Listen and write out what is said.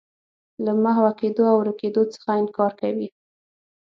له محوه کېدو او ورکېدو څخه انکار کوي.